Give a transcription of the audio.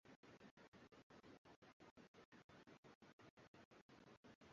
ndio mfumo wa udhanifu unaochangia kujifunza na kumbukumbu